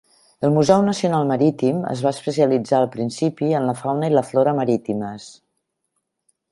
El Museu Nacional Marítim es va especialitzar al principi en la fauna i la flora marítimes.